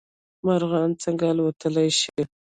مرغان څنګه الوتلی شي؟